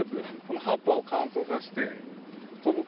この葉っぱを乾燥させて小袋